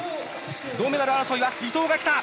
銅メダル争いは、伊藤が来た！